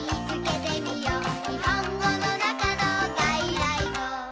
「にほんごのなかのがいらいご」